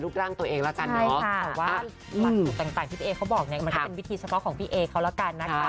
ก็เป็นวิธีเฉพาะของพี่เอเค้าละกันนะคะ